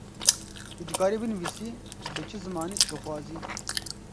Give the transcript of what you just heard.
Tu dikarî binîvisî bi çi zimanî tu dixwazî.